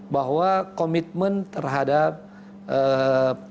bahwa komitmen terhadap menjaga kedamaian